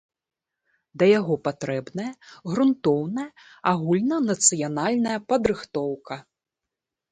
Да яго патрэбная грунтоўная агульнанацыянальная падрыхтоўка.